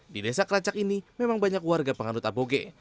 di desa keracak ini memang banyak warga pengandut aboge